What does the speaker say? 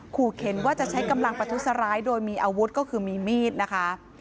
ขู่เข็นว่าจะใช้กำลังประทุษร้ายโดยมีอาวุธก็คือมีมีดนะคะ